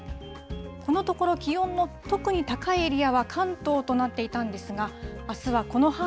このところ、気温も特に高いエリアは関東となっていたんですが、あすはこの範